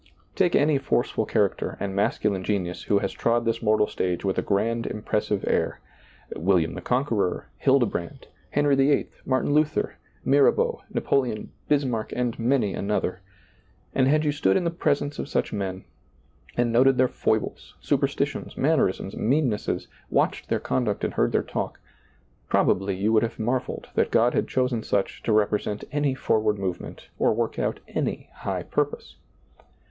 Take any forceful character and masculine genius who has trod this mortal stage with a grand, impres sive air — William the Conqueror, Hildebrand, Heniy the Eighth, Martin Luther, Mirabeau, Napoleon, Bismarck, and many another — and had you stood in the presence of such men and noted their foibles, superstitions, mannerisms, mean nesses, watched their conduct and heard their talk, probably you would have marveled that God had chosen such to represent any forward movement or work out any high purpose.